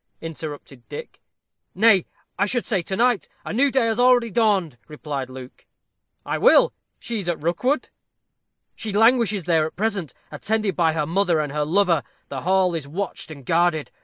interrupted Dick. "Nay, I should say to night. A new day has already dawned," replied Luke. "I will: she is at Rookwood?" "She languishes there at present, attended by her mother and her lover. The hall is watched and guarded.